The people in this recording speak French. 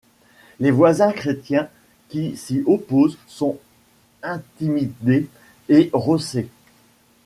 Les voisins chrétiens qui s'y opposent sont intimidés et rossés.